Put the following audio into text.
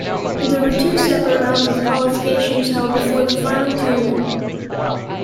There were two separate rounds of qualifications held before the Final Tournament.